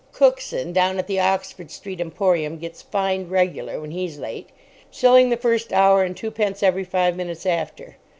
Cookson, down at the Oxford Street Emporium, gets fined regular when he's late. Shilling the first hour and twopence every five minutes after.